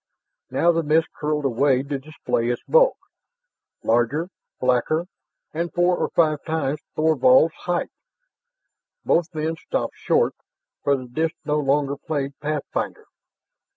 Now the mist curled away to display its bulk larger, blacker and four or five times Thorvald's height. Both men stopped short, for the disk no longer played pathfinder.